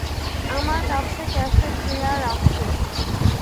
আমার কাছে cassette player আছে।